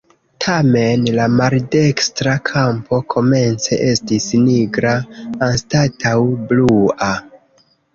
Tamen la maldekstra kampo komence estis nigra anstataŭ blua.